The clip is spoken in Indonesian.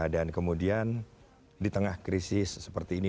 dan kemudian di tengah krisis seperti ini